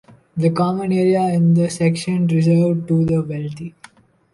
The common area and the section reserved to the wealthy.